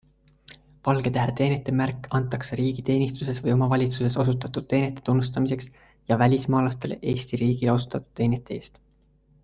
Valgetähe teenetemärk antakse riigiteenistuses või omavalitsuses osutatud teenete tunnustamiseks ja välismaalastele Eesti riigile osutatud teenete eest.